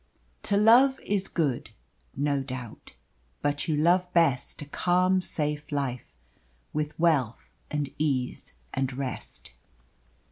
To love is good, no doubt, but you love best A calm safe life, with wealth and ease and rest.